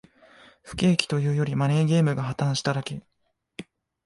不景気というより、マネーゲームが破綻しただけ